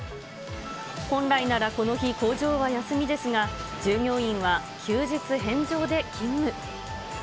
本来ならこの日、工場は休みですが、従業員は休日返上で勤務。